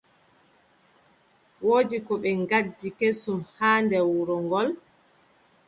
Woodi ko ɓe ngaddi kesum haa nder wuro ngol.